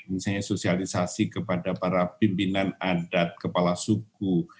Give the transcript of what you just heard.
misalnya sosialisasi kepada para pimpinan adat kepala suku